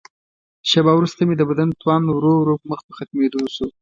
شیبه وروسته مې د بدن توان ورو ورو مخ په ختمېدو شو.